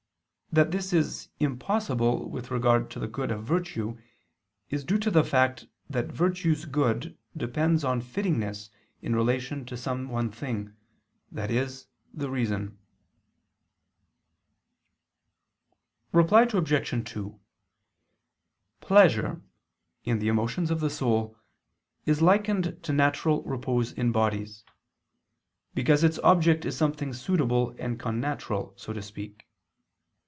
That this is impossible with regard to the good of virtue, is due to the fact that virtue's good depends on fittingness in relation to some one thing i.e. the reason. Reply Obj. 2: Pleasure, in the emotions of the soul, is likened to natural repose in bodies: because its object is something suitable and connatural, so to speak.